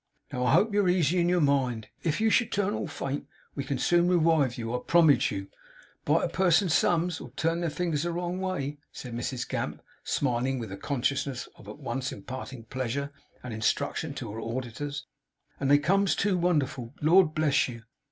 'Now, I hope, you're easy in your mind. If you should turn at all faint we can soon rewive you, sir, I promige you. Bite a person's thumbs, or turn their fingers the wrong way,' said Mrs Gamp, smiling with the consciousness of at once imparting pleasure and instruction to her auditors, 'and they comes to, wonderful, Lord bless you!